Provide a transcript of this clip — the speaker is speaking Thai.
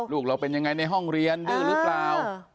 ลูกเราเป็นยังไงในห้องเรียนดื้อหรือเปล่า